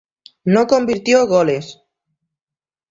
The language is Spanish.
No convirtió goles.